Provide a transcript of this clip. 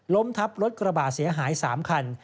ทับรถกระบาดเสียหาย๓คัน